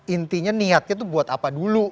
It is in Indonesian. intinya niatnya tuh buat apa dulu